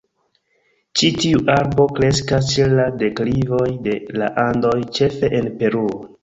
Ĉi tiu arbo kreskas ĉe la deklivoj de la Andoj, ĉefe en Peruo.